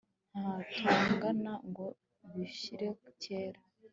ntatongana ngo bishyire kera